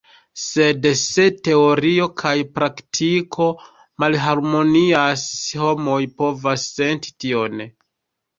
Sed se teorio kaj praktiko malharmonias, homoj povas senti tion.